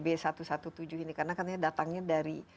b satu ratus tujuh belas ini karena katanya datangnya dari